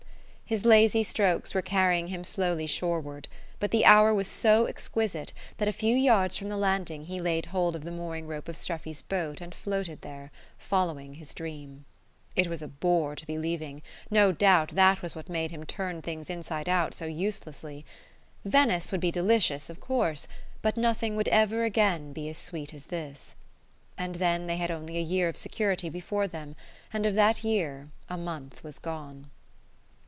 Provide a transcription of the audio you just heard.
His lazy strokes were carrying him slowly shoreward; but the hour was so exquisite that a few yards from the landing he laid hold of the mooring rope of Streffy's boat and floated there, following his dream.... It was a bore to be leaving; no doubt that was what made him turn things inside out so uselessly. Venice would be delicious, of course; but nothing would ever again be as sweet as this. And then they had only a year of security before them; and of that year a month was gone.